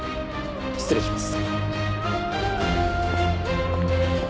失礼します。